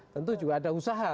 tentu juga ada usaha